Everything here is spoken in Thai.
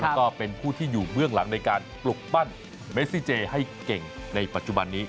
แล้วก็เป็นผู้ที่อยู่เบื้องหลังในการปลุกปั้นเมซิเจให้เก่งในปัจจุบันนี้